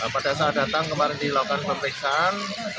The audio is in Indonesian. pada saat datang kemarin dilakukan pemeriksaan